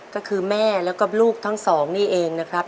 ก็คือแม่แล้วก็ลูกทั้งสองนี่เองนะครับ